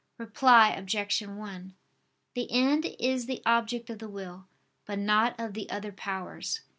Reply Obj. 1: The end is the object of the will, but not of the other powers.